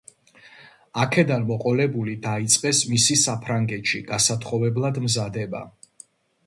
აქედან მოყოლებული დაიწყეს მისი საფრანგეთში გასათხოვებლად მზადება.